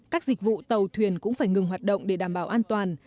các dịch vụ tàu thuyền cũng phải ngừng hoạt động để đảm bảo an toàn